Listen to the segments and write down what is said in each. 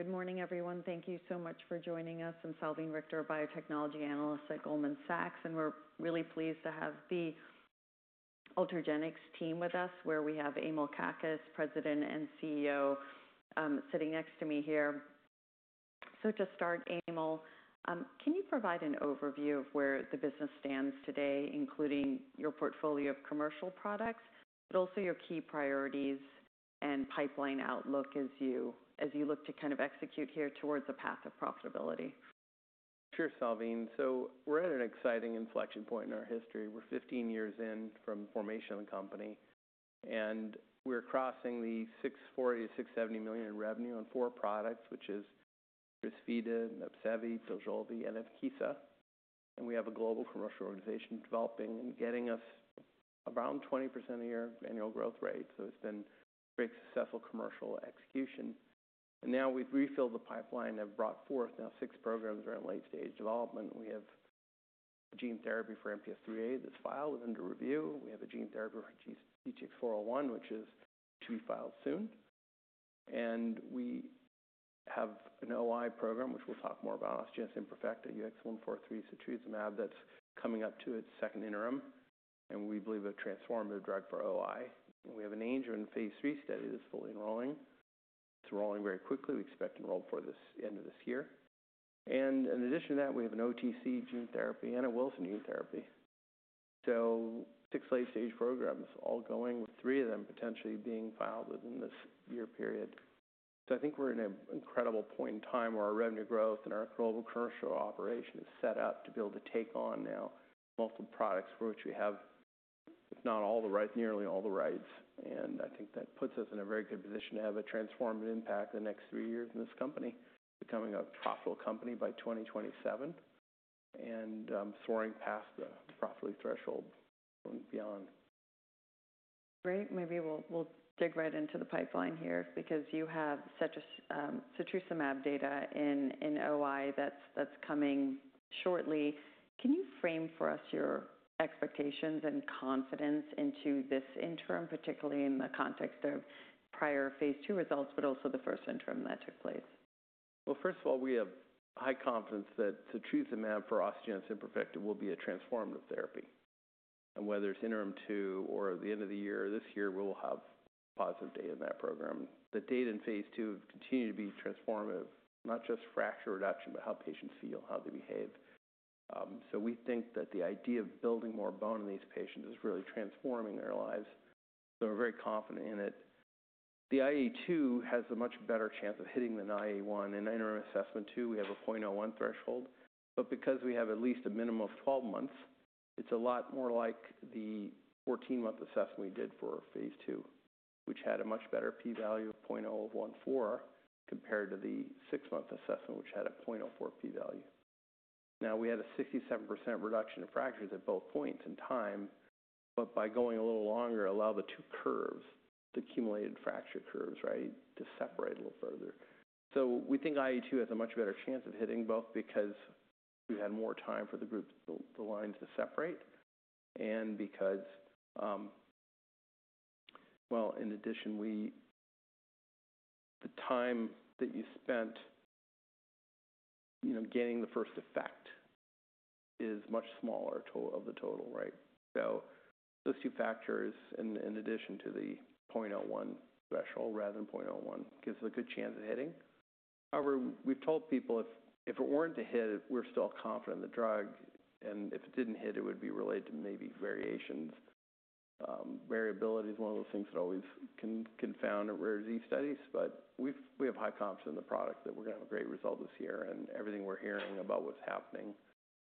Good morning, everyone. Thank you so much for joining us. I'm Salveen Richter, a Biotechnology Analyst at Goldman Sachs, and we're really pleased to have the Ultragenyx team with us, where we have Emil Kakkis, President and CEO, sitting next to me here. To start, Emil, can you provide an overview of where the business stands today, including your portfolio of commercial products, but also your key priorities and pipeline outlook as you look to kind of execute here towards a path of profitability? Sure, Salveen. We're at an exciting inflection point in our history. We're 15 years in from formation of the company, and we're crossing the $640 million-$670 million in revenue on four products, which are Crysvita, MEPSEVII, DOJOLVI, and Evkeeza. We have a global commercial organization developing and getting us around 20% annual growth rate. It's been a very successful commercial execution. Now we've refilled the pipeline and have brought forth six programs that are in late-stage development. We have a gene therapy for MPS IIIA that's filed and under review. We have a gene therapy for DTX401, which is to be filed soon. We have an OI program, which we'll talk more about, Osteogenesis Imperfecta UX143, setrusumab, that's coming up to its second interim, and we believe a transformative drug for OI. We have an Angelman phase III study that's fully enrolling. It's enrolling very quickly. We expect enrollment for this end of this year. In addition to that, we have an OTC gene therapy, and a Wilson gene therapy. Six late-stage programs all going, with three of them potentially being filed within this year period. I think we're in an incredible point in time where our revenue growth and our global commercial operation is set up to be able to take on now multiple products for which we have, if not all, nearly all the rights. I think that puts us in a very good position to have a transformative impact in the next three years in this company, becoming a profitable company by 2027 and soaring past the profitability threshold and beyond. Great. Maybe we'll dig right into the pipeline here because you have setrusumab data in OI that's coming shortly. Can you frame for us your expectations and confidence into this interim, particularly in the context of prior phase II results, but also the first interim that took place? First of all, we have high confidence that setrusumab for osteogenesis imperfecta will be a transformative therapy. Whether it is interim two or the end of the year or this year, we will have positive data in that program. The data in phase II have continued to be transformative, not just fracture reduction, but how patients feel, how they behave. We think that the idea of building more bone in these patients is really transforming their lives. We are very confident in it. The IA2 has a much better chance of hitting than IA1. In interim assessment two, we have a 0.01 threshold, but because we have at least a minimum of 12 months, it is a lot more like the 14-month assessment we did for phase II, which had a much better P-value of 0.014 compared to the six-month assessment, which had a 0.04 P-value. Now, we had a 67% reduction in fractures at both points in time, but by going a little longer, allow the two curves, the accumulated fracture curves, right, to separate a little further. We think IA2 has a much better chance of hitting both because we've had more time for the groups, the lines to separate, and because, well, in addition, the time that you spent getting the first effect is much smaller of the total, right? Those two factors, in addition to the 0.01 threshold, rather than 0.01, give a good chance of hitting. However, we've told people if it weren't to hit, we're still confident in the drug, and if it didn't hit, it would be related to maybe variations. Variability is one of those things that always can be confounded in rare disease studies, but we have high confidence in the product that we're going to have a great result this year, and everything we're hearing about what's happening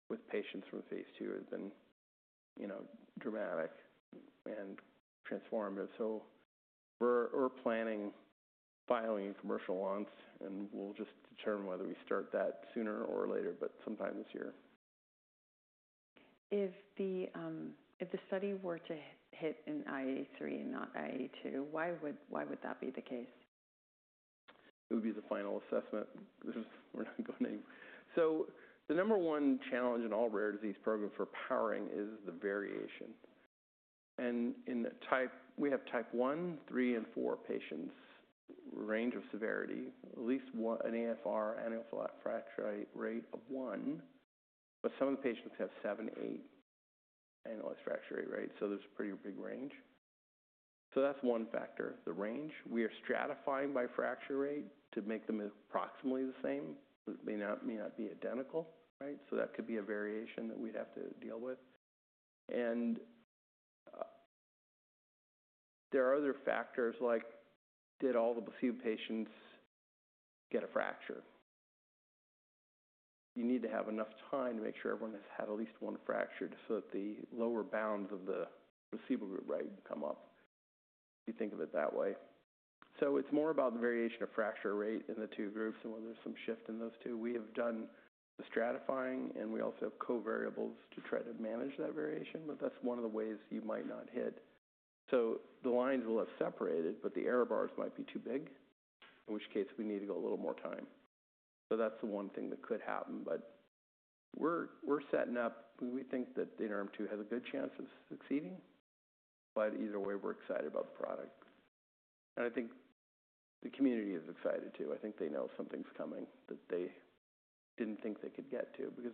with patients from phase II has been dramatic and transformative. We are planning filing commercial launches, and we'll just determine whether we start that sooner or later, but sometime this year. If the study were to hit in IA3 and not IA2, why would that be the case? It would be the final assessment. We're not going anywhere. The number one challenge in all rare disease programs for powering is the variation. We have type one, three, and four patients, range of severity, at least an annual fracture rate of one, but some of the patients have seven, eight annual fracture rate, right? There's a pretty big range. That's one factor, the range. We are stratifying by fracture rate to make them approximately the same. It may not be identical, right? That could be a variation that we'd have to deal with. There are other factors like, did all the placebo patients get a fracture? You need to have enough time to make sure everyone has had at least one fracture so that the lower bounds of the placebo group, right, come up. You think of it that way. It is more about the variation of fracture rate in the two groups and whether there is some shift in those two. We have done the stratifying, and we also have covariables to try to manage that variation, but that is one of the ways you might not hit. The lines will have separated, but the error bars might be too big, in which case we need to go a little more time. That is the one thing that could happen, but we are setting up. We think that interim two has a good chance of succeeding, but either way, we are excited about the product. I think the community is excited too. I think they know something is coming that they did not think they could get to because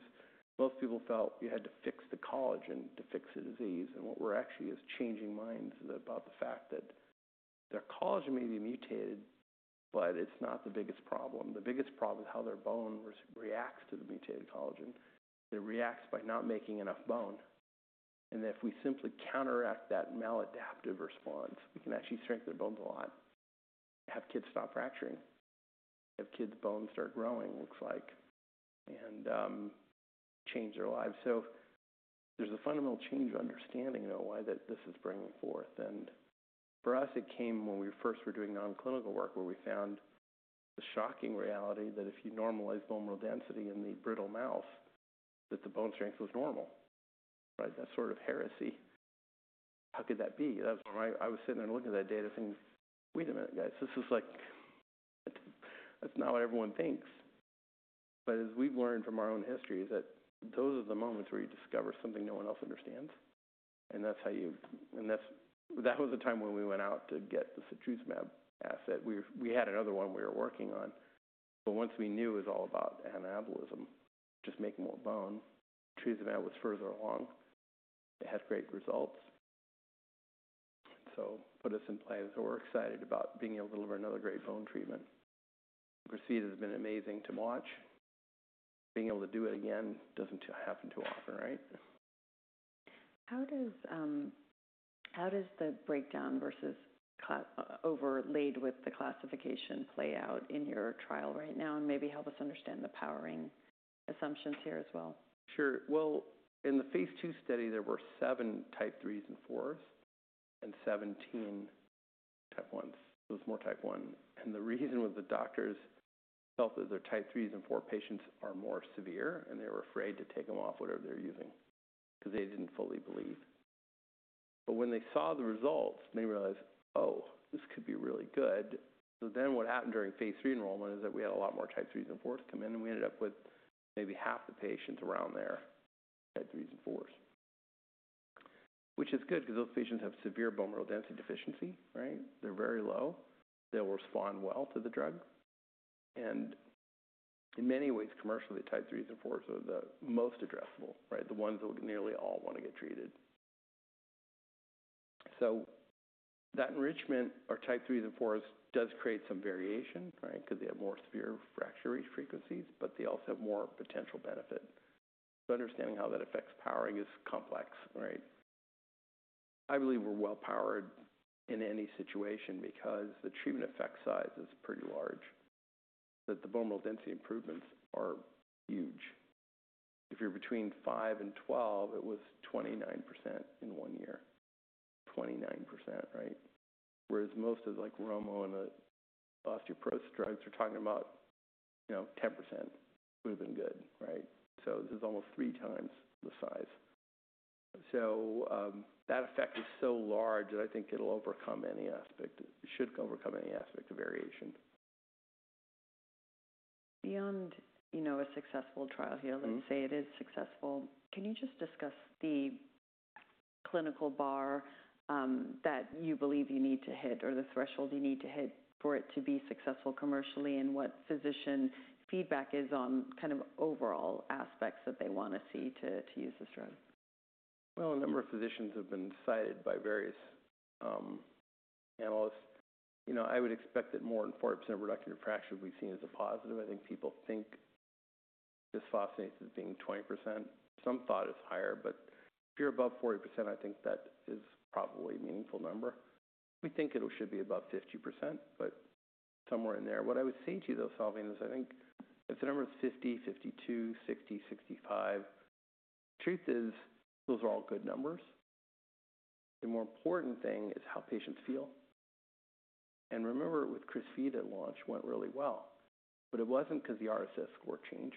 most people felt you had to fix the collagen to fix the disease. What we're actually doing is changing minds about the fact that their collagen may be mutated, but it's not the biggest problem. The biggest problem is how their bone reacts to the mutated collagen. It reacts by not making enough bone. If we simply counteract that maladaptive response, we can actually strengthen their bones a lot, have kids stop fracturing, have kids' bones start growing, looks like, and change their lives. There is a fundamental change of understanding in OI that this is bringing forth. For us, it came when we first were doing nonclinical work where we found the shocking reality that if you normalize bone density in the brittle mouse, the bone strength was normal, right? That is sort of heresy. How could that be? I was sitting there looking at that data saying, "Wait a minute, guys. This is like that's not what everyone thinks. As we've learned from our own history, those are the moments where you discover something no one else understands. That was the time when we went out to get the setrusumab asset. We had another one we were working on. Once we knew it was all about anabolism, just making more bone, setrusumab was further along. It had great results. It put us in place. We're excited about being able to deliver another great bone treatment. Crysvita has been amazing to watch. Being able to do it again does not happen too often, right? How does the breakdown versus overlaid with the classification play out in your trial right now, and maybe help us understand the powering assumptions here as well? Sure. In the phase II study, there were seven type threes and fours and 17 type ones. It was more type one. The reason was the doctors felt that their type threes and four patients are more severe, and they were afraid to take them off whatever they're using because they did not fully believe. When they saw the results, they realized, "Oh, this could be really good." What happened during phase III enrollment is that we had a lot more type threes and fours come in, and we ended up with maybe half the patients around there had threes and fours, which is good because those patients have severe bone mineral density deficiency, right? They're very low. They'll respond well to the drug. In many ways, commercially, type threes and fours are the most addressable, right? The ones that would nearly all want to get treated. That enrichment or type threes and fours does create some variation, right, because they have more severe fracture rate frequencies, but they also have more potential benefit. Understanding how that affects powering is complex, right? I believe we're well-powered in any situation because the treatment effect size is pretty large, that the bone mineral density improvements are huge. If you're between five and 12, it was 29% in one year. 29%, right? Whereas most of the like Ramon and the osteoporosis drugs are talking about 10% would have been good, right? This is almost three times the size. That effect is so large that I think it'll overcome any aspect. It should overcome any aspect of variation. Beyond a successful trial here, let's say it is successful, can you just discuss the clinical bar that you believe you need to hit or the threshold you need to hit for it to be successful commercially, and what physician feedback is on kind of overall aspects that they want to see to use this drug? A number of physicians have been cited by various analysts. I would expect that more than 40% reduction in fracture would be seen as a positive. I think people think this fascinates as being 20%. Some thought it is higher, but if you are above 40%, I think that is probably a meaningful number. We think it should be above 50%, but somewhere in there. What I would say to you, though, Salveen, is I think if the number is 50, 52, 60, 65, the truth is those are all good numbers. The more important thing is how patients feel. Remember, with Crysvita, launch went really well, but it was not because the RSS score changed.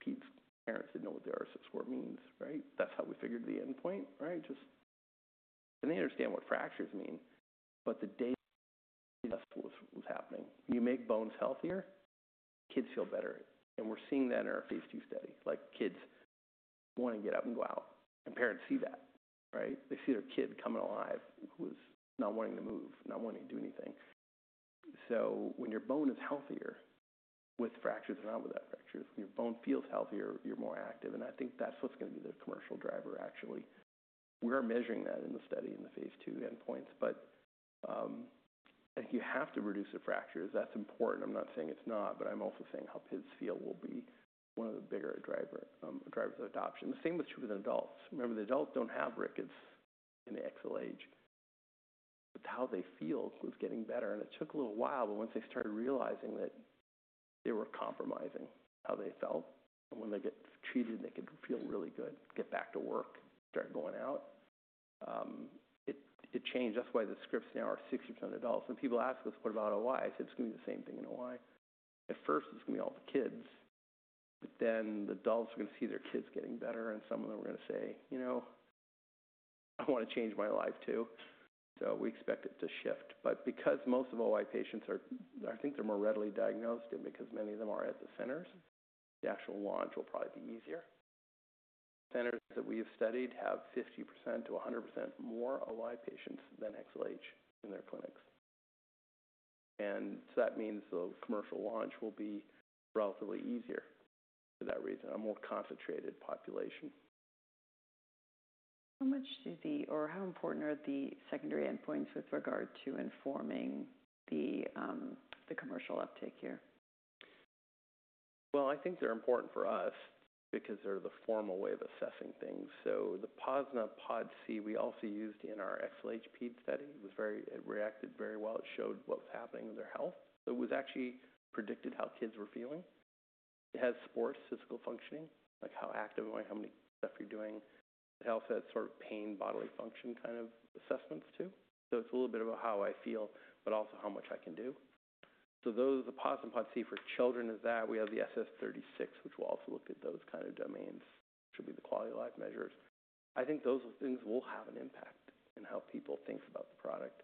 Pete's parents did not know what the RSS score means, right? That is how we figured the endpoint, right? They understand what fractures mean, but the data was happening. You make bones healthier, kids feel better. We are seeing that in our phase II study. Kids want to get up and go out, and parents see that, right? They see their kid coming alive who was not wanting to move, not wanting to do anything. When your bone is healthier with fractures and not without fractures, when your bone feels healthier, you are more active. I think that is what is going to be the commercial driver, actually. We are measuring that in the study in the phase II endpoints, but I think you have to reduce the fractures. That is important. I am not saying it is not, but I am also saying how kids feel will be one of the bigger drivers of adoption. The same was true with adults. Remember, the adults do not have rickets in the XLH. It is how they feel was getting better. It took a little while, but once they started realizing that they were compromising how they felt, and when they get treated, they could feel really good, get back to work, start going out. It changed. That's why the scripts now are 60% adults. When people ask us, "What about OI?" I said, "It's going to be the same thing in OI." At first, it's going to be all the kids, but then the adults are going to see their kids getting better, and some of them are going to say, "You know, I want to change my life too." We expect it to shift. Because most of OI patients, I think they're more readily diagnosed and because many of them are at the centers, the actual launch will probably be easier. Centers that we have studied have 50%-100% more OI patients than XLH in their clinics. That means the commercial launch will be relatively easier for that reason, a more concentrated population. How much do the—or how important are the secondary endpoints with regard to informing the commercial uptake here? I think they're important for us because they're the formal way of assessing things. The POSNA-PODCI we also used in our XLH pediatric study reacted very well. It showed what was happening with their health. It actually predicted how kids were feeling. It has sports, physical functioning, like how active am I, how many stuff you're doing. It also has sort of pain, bodily function kind of assessments too. It's a little bit of how I feel, but also how much I can do. The POSNA-PODCI for children is that we have the SF-36, which will also look at those kind of domains, which will be the quality of life measures. I think those things will have an impact in how people think about the product.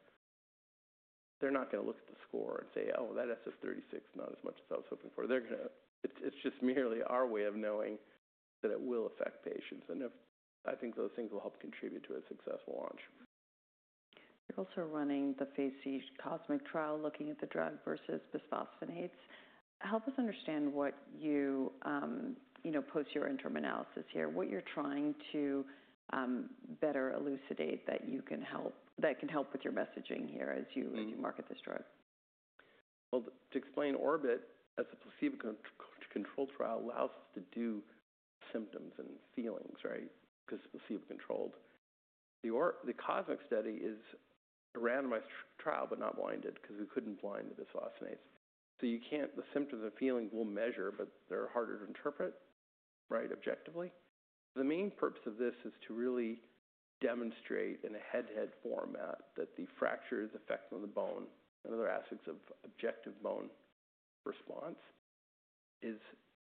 They're not going to look at the score and say, "Oh, that SF-36, not as much as I was hoping for." It's just merely our way of knowing that it will affect patients. I think those things will help contribute to a successful launch. You're also running the phase III Cosmic trial looking at the drug versus bisphosphonates. Help us understand what you post your interim analysis here, what you're trying to better elucidate that can help with your messaging here as you market this drug. To explain Orbit, as a placebo-controlled trial, it allows us to do symptoms and feelings, right? Because it's placebo-controlled. The Cosmic study is a randomized trial, but not blinded because we couldn't blind the bisphosphonates. The symptoms and feelings we'll measure, but they're harder to interpret, right, objectively. The main purpose of this is to really demonstrate in a head-to-head format that the fractures affecting the bone and other aspects of objective bone response is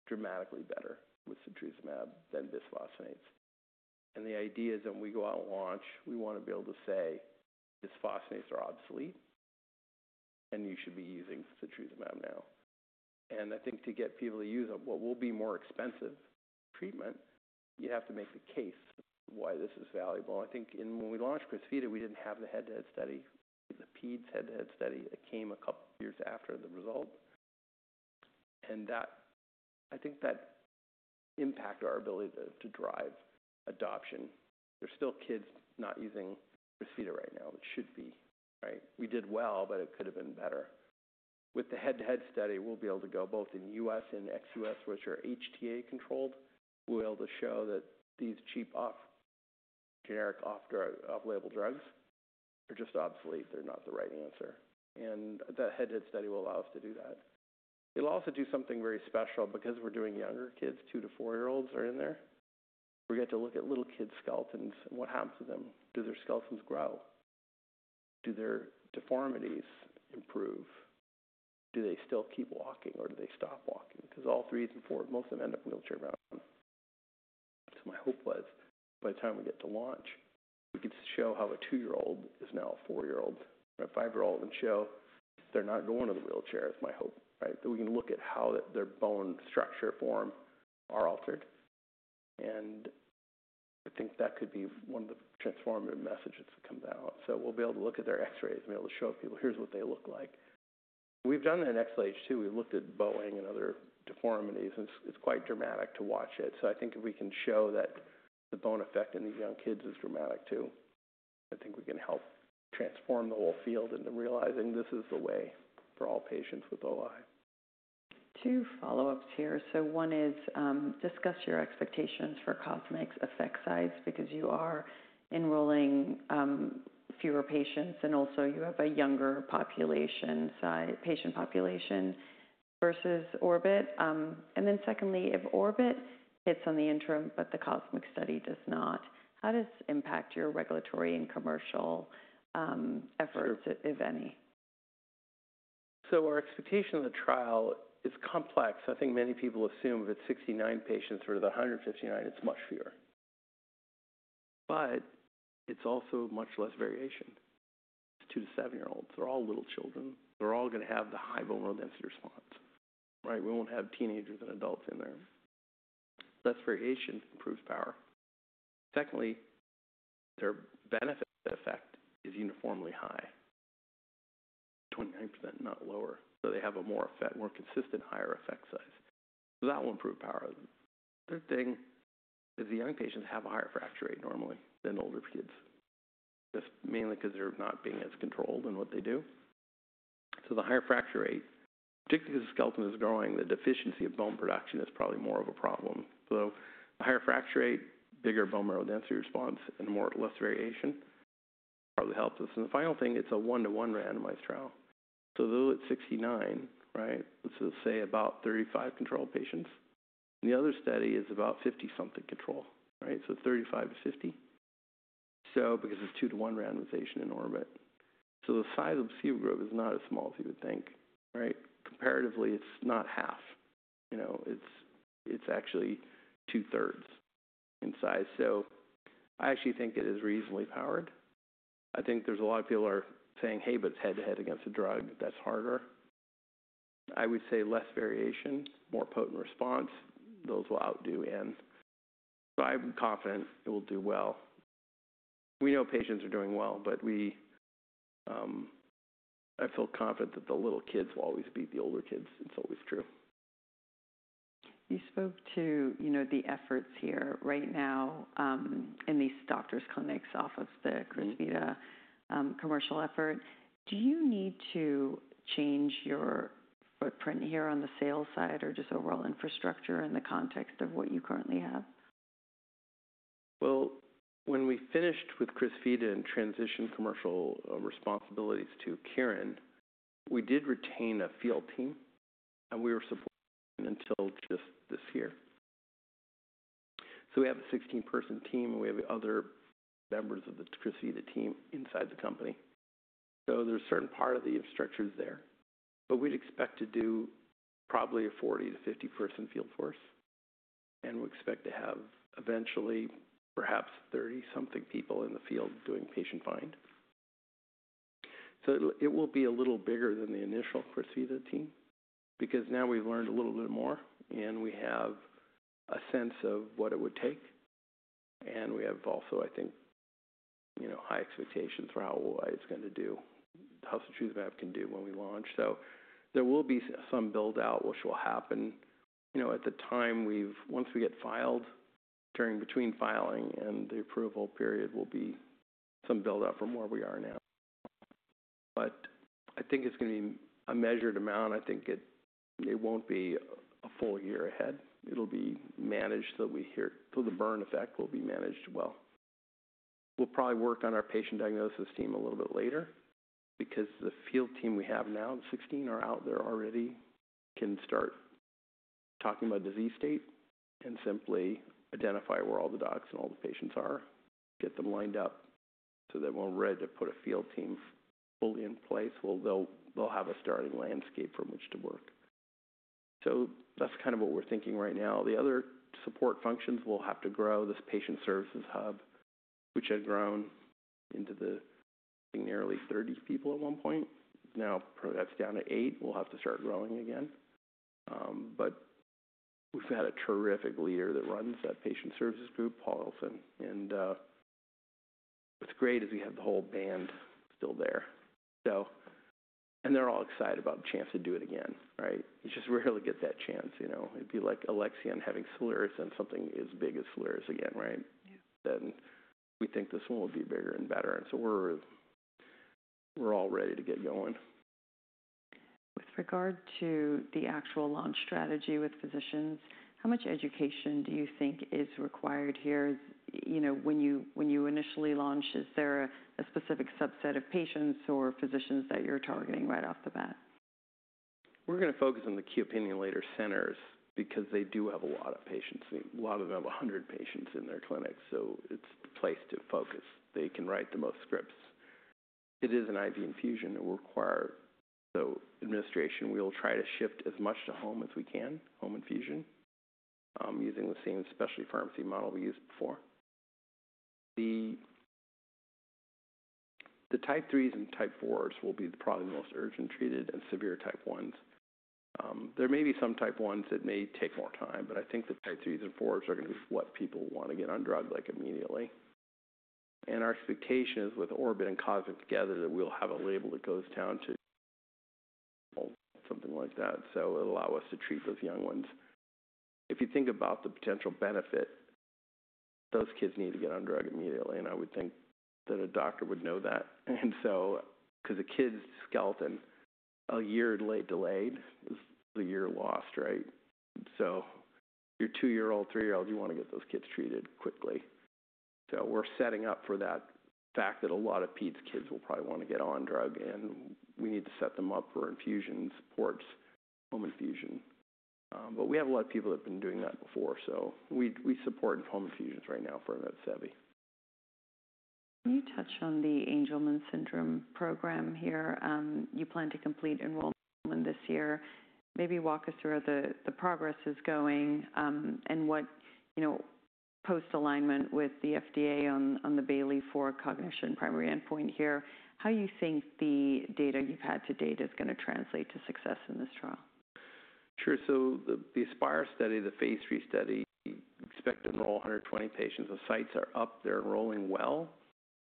dramatically better with setrusumab than bisphosphonates. The idea is when we go out and launch, we want to be able to say, "Bisphosphonates are obsolete, and you should be using setrusumab now." I think to get people to use it, what will be more expensive treatment, you have to make the case why this is valuable. I think when we launched Crysvita, we didn't have the head-to-head study. We did the peds head-to-head study that came a couple of years after the result. I think that impacted our ability to drive adoption. There are still kids not using Crysvita right now. It should be, right? We did well, but it could have been better. With the head-to-head study, we'll be able to go both in U.S. and ex-U.S., which are HTA-controlled. We'll be able to show that these cheap generic off-label drugs are just obsolete. They're not the right answer. The head-to-head study will allow us to do that. It'll also do something very special because we're doing younger kids. Two to four-year-olds are in there. We get to look at little kids' skeletons and what happens to them. Do their skeletons grow? Do their deformities improve? Do they still keep walking, or do they stop walking? Because all threes and fours, most of them end up in wheelchairs around them. My hope was by the time we get to launch, we could show how a two-year-old is now a four-year-old and a five-year-old and show they're not going to the wheelchair is my hope, right? That we can look at how their bone structure forms are altered. I think that could be one of the transformative messages that comes out. We will be able to look at their X-rays and be able to show people, "Here's what they look like." We've done that in XLH too. We've looked at bowing and other deformities, and it's quite dramatic to watch it. I think if we can show that the bone effect in these young kids is dramatic too, I think we can help transform the whole field into realizing this is the way for all patients with OI. Two follow-ups here. One is, discuss your expectations for Cosmic's effect size because you are enrolling fewer patients, and also you have a younger patient population versus Orbit. Secondly, if Orbit hits on the interim, but the Cosmic study does not, how does it impact your regulatory and commercial efforts, if any? Our expectation of the trial is complex. I think many people assume if it is 69 patients versus 159, it is much fewer. It is also much less variation. It is two- to seven-year-olds. They are all little children. They are all going to have the high bone mineral density response, right? We will not have teenagers and adults in there. Less variation improves power. Secondly, their benefit effect is uniformly high, 29%, not lower. They have a more consistent higher effect size. That will improve power. The third thing is the young patients have a higher fracture rate normally than older kids, mainly because they are not being as controlled in what they do. The higher fracture rate, particularly because the skeleton is growing, the deficiency of bone production is probably more of a problem. The higher fracture rate, bigger bone mineral density response, and less variation probably helps us. The final thing, it's a one-to-one randomized trial. Though it's 69, right, let's just say about 35 control patients. The other study is about 50-something control, right? So 35-50. Because it's two-to-one randomization in Orbit, the size of the placebo group is not as small as you would think, right? Comparatively, it's not half. It's actually two-thirds in size. I actually think it is reasonably powered. I think there's a lot of people who are saying, "Hey, but it's head-to-head against a drug. That's harder." I would say less variation, more potent response. Those will outdo N. I'm confident it will do well. We know patients are doing well, but I feel confident that the little kids will always beat the older kids. It's always true. You spoke to the efforts here. Right now, in these doctors' clinics off of the Crysvita commercial effort, do you need to change your footprint here on the sales side or just overall infrastructure in the context of what you currently have? When we finished with Crysvita and transitioned commercial responsibilities to Kirin, we did retain a field team, and we were supporting until just this year. We have a 16-person team, and we have other members of the Crysvita team inside the company. There is a certain part of the infrastructure there, but we'd expect to do probably a 40-50 person field force. We expect to have eventually perhaps 30-something people in the field doing patient find. It will be a little bigger than the initial Crysvita team because now we've learned a little bit more, and we have a sense of what it would take. We have also, I think, high expectations for how OI is going to do, how setrusumab can do when we launch. There will be some build-out, which will happen. At the time, once we get filed, between filing and the approval period, will be some build-out from where we are now. I think it's going to be a measured amount. I think it won't be a full year ahead. It'll be managed so the burn effect will be managed well. We'll probably work on our patient diagnosis team a little bit later because the field team we have now, 16, are out there already, can start talking about disease state and simply identify where all the docs and all the patients are, get them lined up so that when we're ready to put a field team fully in place, they'll have a starting landscape from which to work. That's kind of what we're thinking right now. The other support functions will have to grow this patient services hub, which had grown into nearly 30 people at one point. Now that's down to eight. We'll have to start growing again. We have a terrific leader that runs that patient services group, Paul Elson. What's great is we have the whole band still there. They're all excited about the chance to do it again, right? You just rarely get that chance. It'd be like Alexion and having Soliris and something as big as Soliris again, right? We think this one will be bigger and better. We're all ready to get going. With regard to the actual launch strategy with physicians, how much education do you think is required here? When you initially launch, is there a specific subset of patients or physicians that you're targeting right off the bat? We're going to focus on the key opinion leader centers because they do have a lot of patients. A lot of them have 100 patients in their clinics. It is the place to focus. They can write the most scripts. It is an IV infusion. It will require administration. We will try to shift as much to home as we can, home infusion, using the same specialty pharmacy model we used before. The type threes and type fours will be probably the most urgent treated and severe type ones. There may be some type ones that may take more time, but I think the type threes and fours are going to be what people want to get on drug like immediately. Our expectation is with Orbit and Cosmic together that we'll have a label that goes down to something like that. It'll allow us to treat those young ones. If you think about the potential benefit, those kids need to get on drug immediately. I would think that a doctor would know that. Because a kid's skeleton a year delayed is a year lost, right? Your two-year-old, three-year-old, you want to get those kids treated quickly. We're setting up for that fact that a lot of peds kids will probably want to get on drug, and we need to set them up for infusions, ports, home infusion. We have a lot of people that have been doing that before. We support home infusions right now for them at Sevi. You touched on the Angelman Syndrome program here. You plan to complete enrollment this year. Maybe walk us through where the progress is going and what post-alignment with the FDA on the Bayley-4 cognition primary endpoint here. How do you think the data you've had to date is going to translate to success in this trial? Sure. The Aspire study, the phase III study, we expect to enroll 120 patients. The sites are up. They're enrolling well.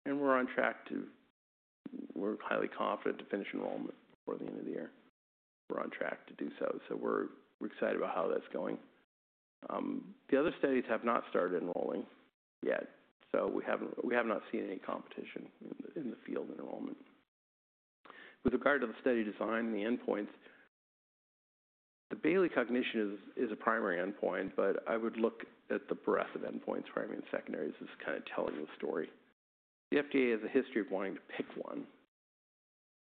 We're on track to—we're highly confident to finish enrollment before the end of the year. We're on track to do so. We're excited about how that's going. The other studies have not started enrolling yet. We have not seen any competition in the field enrollment. With regard to the study design and the endpoints, the Bayley cognition is a primary endpoint, but I would look at the breadth of endpoints. I mean, secondary is just kind of telling the story. The FDA has a history of wanting to pick one,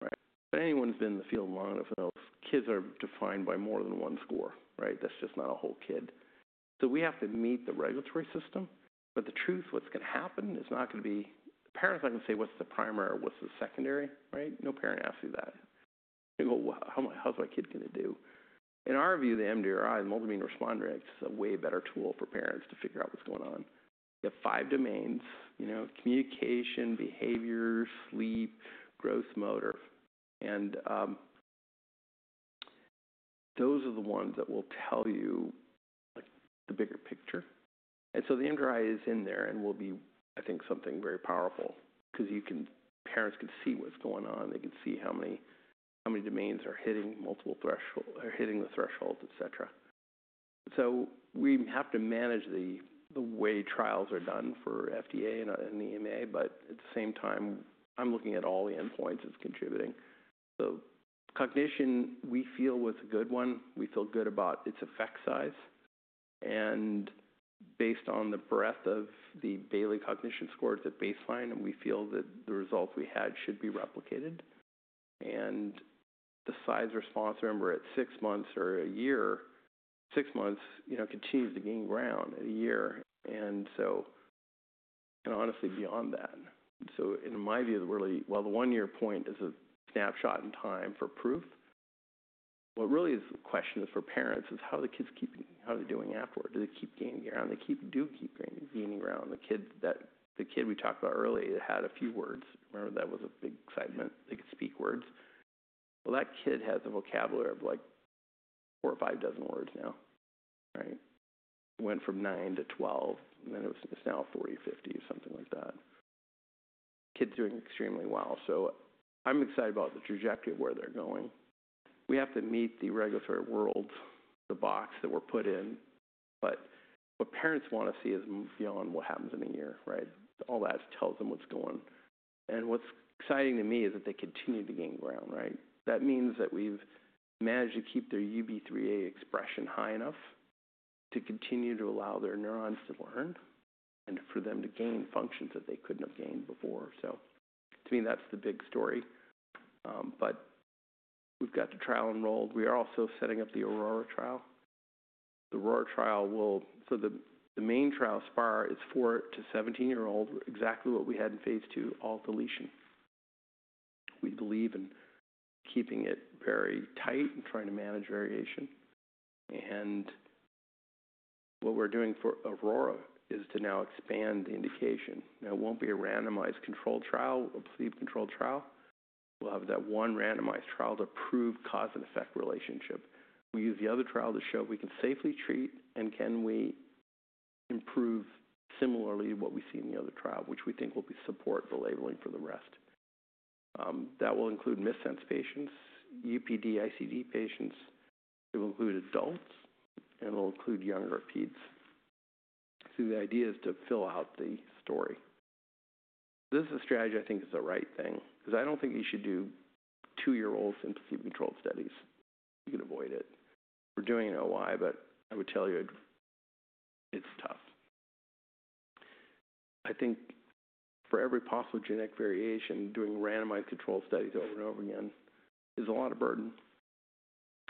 right? Anyone who's been in the field long enough knows kids are defined by more than one score, right? That's just not a whole kid. We have to meet the regulatory system. The truth, what's going to happen is not going to be—parents aren't going to say, "What's the primary? What's the secondary?" Right? No parent asks you that. You go, "How's my kid going to do?" In our view, the MDRI, the Multi-Means Response Index, is a way better tool for parents to figure out what's going on. You have five domains: communication, behavior, sleep, growth motor. Those are the ones that will tell you the bigger picture. The MDRI is in there and will be, I think, something very powerful because parents can see what's going on. They can see how many domains are hitting the threshold, etc. We have to manage the way trials are done for FDA and the EMA, but at the same time, I'm looking at all the endpoints as contributing. Cognition, we feel, was a good one. We feel good about its effect size. Based on the breadth of the Bayley cognition scores at baseline, we feel that the results we had should be replicated. The size response, remember, at six months or a year, six months continues to gain ground at a year, and honestly, beyond that. In my view, while the one-year point is a snapshot in time for proof, what really is the question for parents is how are the kids keeping—how are they doing afterward? Do they keep gaining ground? Do they keep gaining ground? The kid we talked about earlier that had a few words, remember that was a big excitement. They could speak words. That kid has a vocabulary of like four or five dozen words now, right? Went from nine to 12, and then it's now 40, 50, something like that. Kids doing extremely well. I'm excited about the trajectory of where they're going. We have to meet the regulatory world, the box that we're put in. What parents want to see is beyond what happens in a year, right? All that tells them what's going. What's exciting to me is that they continue to gain ground, right? That means that we've managed to keep their UBE3A expression high enough to continue to allow their neurons to learn and for them to gain functions that they couldn't have gained before. To me, that's the big story. We've got the trial enrolled. We are also setting up the Aurora trial. The Aurora trial will—the main trial, Aspire, is four-17-year-old, exactly what we had in phase II, alt deletion. We believe in keeping it very tight and trying to manage variation. What we're doing for Aurora is to now expand the indication. It won't be a randomized controlled trial or placebo-controlled trial. We'll have that one randomized trial to prove cause and effect relationship. We use the other trial to show we can safely treat and can we improve similarly to what we see in the other trial, which we think will support the labeling for the rest. That will include missense patients, UPD, ICD patients. It will include adults, and it will include younger peds. The idea is to fill out the story. This is a strategy I think is the right thing because I don't think you should do two-year-olds in placebo-controlled studies. You can avoid it. We're doing it in OI, but I would tell you it's tough. I think for every possible genetic variation, doing randomized controlled studies over and over again is a lot of burden.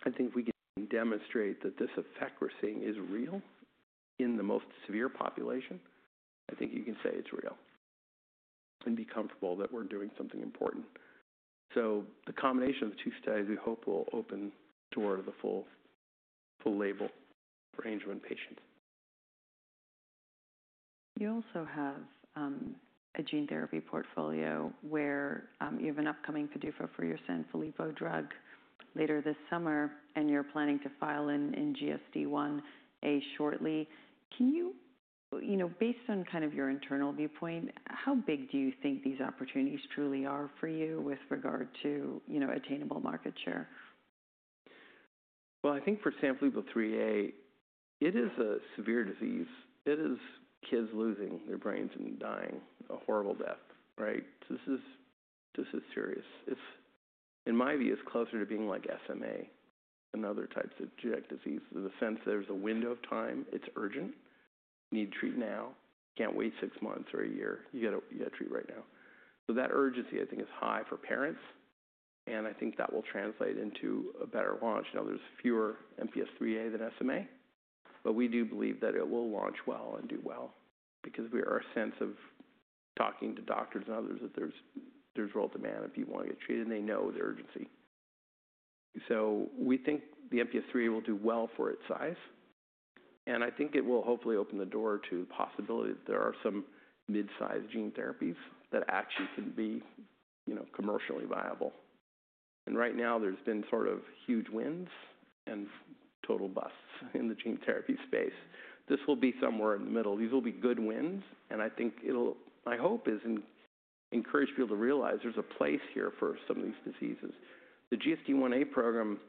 I think if we can demonstrate that this effect we're seeing is real in the most severe population, I think you can say it's real and be comfortable that we're doing something important. The combination of the two studies we hope will open the door to the full label for Angelman patients. You also have a gene therapy portfolio where you have an upcoming PDUFA for your Sanfilippo drug later this summer, and you're planning to file in GSD1a shortly. Can you, based on kind of your internal viewpoint, how big do you think these opportunities truly are for you with regard to attainable market share? I think for Sanfilippo IIIA, it is a severe disease. It is kids losing their brains and dying a horrible death, right? This is serious. In my view, it's closer to being like SMA, another type of genetic disease. The sense there's a window of time. It's urgent. You need to treat now. You can't wait six months or a year. You got to treat right now. That urgency, I think, is high for parents. I think that will translate into a better launch. There are fewer MPS IIIA than SMA, but we do believe that it will launch well and do well because we are a sense of talking to doctors and others that there's real demand if you want to get treated, and they know the urgency. We think the MPS IIIA will do well for its size. I think it will hopefully open the door to the possibility that there are some mid-size gene therapies that actually can be commercially viable. Right now, there's been sort of huge wins and total busts in the gene therapy space. This will be somewhere in the middle. These will be good wins. I think my hope is to encourage people to realize there's a place here for some of these diseases. The GSD1a program,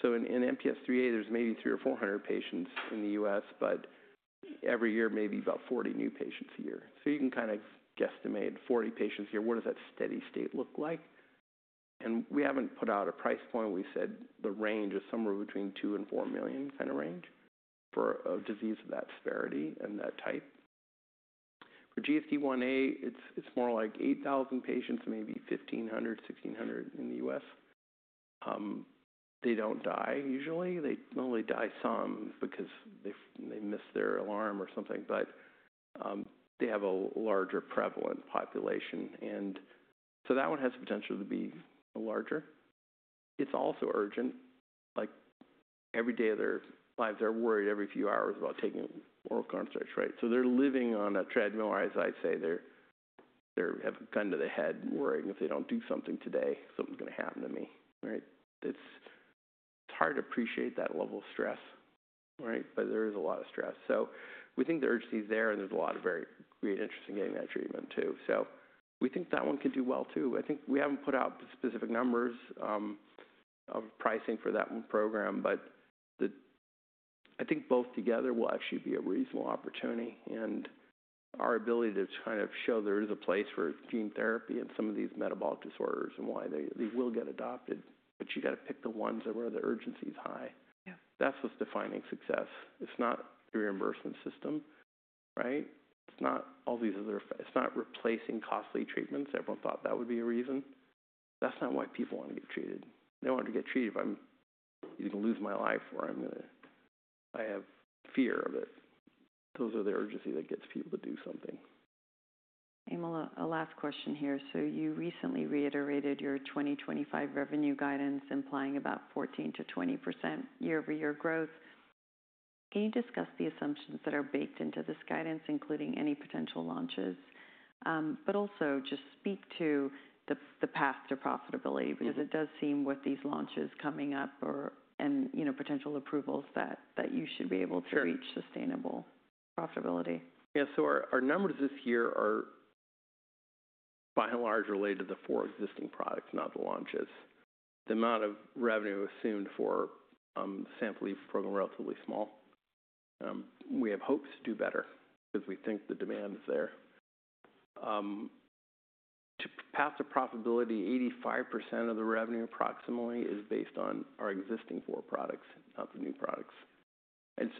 so in MPS IIIA, there's maybe 300 or 400 patients in the U.S., but every year, maybe about 40 new patients a year. You can kind of guesstimate 40 patients a year. What does that steady state look like? We haven't put out a price point. We said the range is somewhere between $2 million and $4 million kind of range for a disease of that severity and that type. For GSD1a, it's more like 8,000 patients, maybe 1,500, 1,600 in the U.S. They don't die usually. They only die some because they missed their alarm or something, but they have a larger prevalent population. That one has the potential to be larger. It's also urgent. Every day of their lives, they're worried every few hours about taking oral contraception, right? They're living on a treadmill, as I say. They have a gun to their head, worrying if they don't do something today, something's going to happen to me, right? It's hard to appreciate that level of stress, right? There is a lot of stress. We think the urgency is there, and there's a lot of very great interest in getting that treatment too. We think that one could do well too. I think we haven't put out specific numbers of pricing for that one program, but I think both together will actually be a reasonable opportunity. Our ability to kind of show there is a place for gene therapy in some of these metabolic disorders and why they will get adopted, you have to pick the ones where the urgency is high. That is what is defining success. It is not the reimbursement system, right? It is not all these other—it is not replacing costly treatments. Everyone thought that would be a reason. That is not why people want to get treated. They want to get treated. I am either going to lose my life or I am going to—I have fear of it. Those are the urgency that gets people to do something. Emil, a last question here. You recently reiterated your 2025 revenue guidance, implying about 14%-20% year-over-year growth. Can you discuss the assumptions that are baked into this guidance, including any potential launches, but also just speak to the path to profitability? Because it does seem with these launches coming up and potential approvals that you should be able to reach sustainable profitability. Yeah. So our numbers this year are by and large related to the four existing products, not the launches. The amount of revenue assumed for the Sanfilippo program is relatively small. We have hopes to do better because we think the demand is there. To path to profitability, 85% of the revenue approximately is based on our existing four products, not the new products.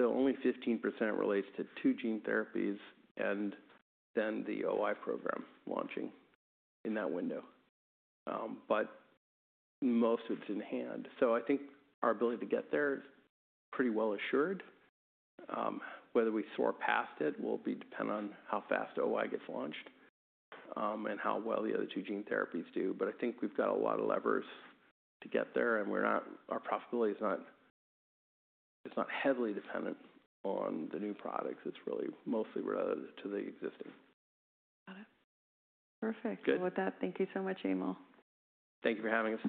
Only 15% relates to two gene therapies and then the OI program launching in that window. Most of it is in hand. I think our ability to get there is pretty well assured. Whether we soar past it will depend on how fast OI gets launched and how well the other two gene therapies do. I think we have got a lot of levers to get there, and our profitability is not heavily dependent on the new products. It's really mostly related to the existing. Got it. Perfect. Good. With that, thank you so much, Emil. Thank you for having us.